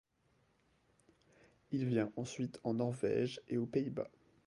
Il vient ensuite en Norvège et aux Pays-Bas.